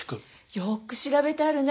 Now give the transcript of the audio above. よくしらべてあるね。